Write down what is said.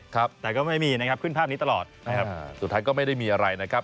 ครับแต่ก็ไม่มีนะครับขึ้นภาพนี้ตลอดนะครับสุดท้ายก็ไม่ได้มีอะไรนะครับ